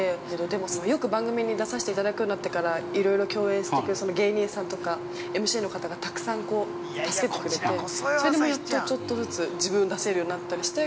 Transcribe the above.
でも、よく番組に出させていただくようになってから、いろいろ共演してくださる芸人さんとかＭＣの方がたくさん助けてくれて、それでやっと、少しずつ自分を出せるようになったりして。